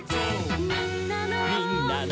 「みんなの」